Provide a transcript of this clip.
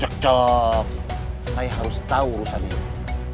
cok cok saya harus tahu urusan ini